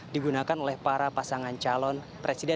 digunakan oleh para pasangan calon presiden